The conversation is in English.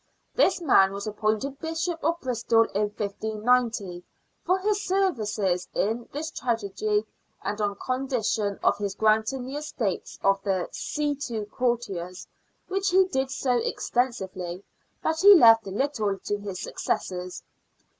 This man was appointed Bishop of Bristol in 1590 for his services in this tragedy and on condition of his granting the estates of the see to courtiers, which he did so extensively that he left little to his successors.